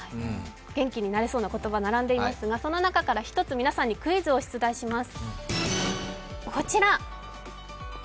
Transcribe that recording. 元気になれそうな言葉が並んでいますが、その中から１つ皆さんにクイズを出題します。